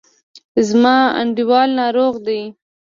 زما انډیوال ناروغ دی.